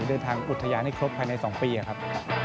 เดินทางอุทยานให้ครบภายใน๒ปีครับ